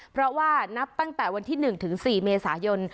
เพราะว่านับตั้งแต่วันที่๑ถึง๔เมษายน